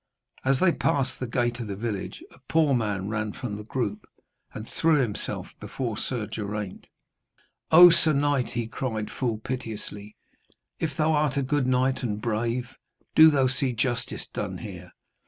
As they passed the gate of the village a poor man ran from the group, and threw himself before Sir Geraint. 'O sir knight,' he cried full piteously, 'if thou art a good knight and a brave, do thou see justice done here.